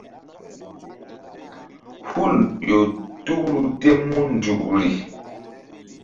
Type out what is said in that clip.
Hul ƴo tukru tem mun nzukri.